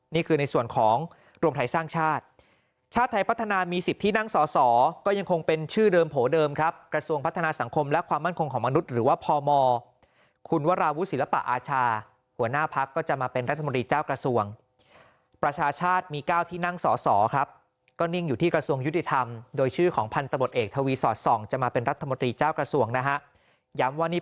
นี่คือในส่วนของรวมไทยสร้างชาติชาติไทยพัฒนามี๑๐ที่นั่งสอก็ยังคงเป็นชื่อเดิมโผเดิมครับกระสวงพัฒนาสังคมและความมั่นคงของมนุษย์หรือว่าพอมอคุณวราวุศิลปะอาชาหัวหน้าพักก็จะมาเป็นรัฐมนตรีเจ้า